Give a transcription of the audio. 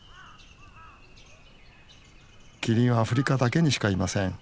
キリンはアフリカだけにしかいません。